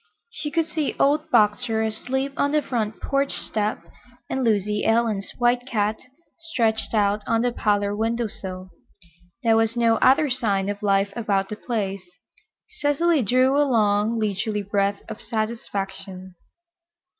She could see old Boxer asleep on the front porch step and Lucy Ellen's white cat stretched out on the parlor window sill. There was no other sign of life about the place. Cecily drew a long, leisurely breath of satisfaction.